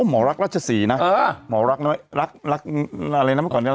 หมอรักราชสีนะหมอรักอะไรนะ